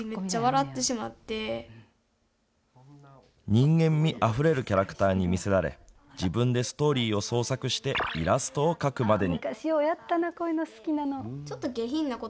人間味あふれるキャラクターに見せられ自分でストーリーを創作してイラストを描くまでに。